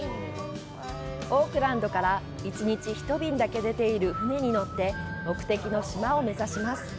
オークランドから、１日１便だけ出ている船に乗って、目的の島を目指します。